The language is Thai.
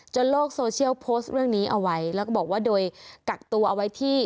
โลกโซเชียลโพสต์เรื่องนี้เอาไว้แล้วก็บอกว่าโดยกักตัวเอาไว้ที่